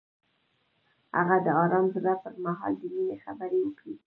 هغه د آرام زړه پر مهال د مینې خبرې وکړې.